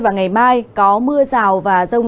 và ngày mai có mưa rào và rông